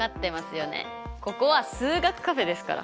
ここは数学カフェですから。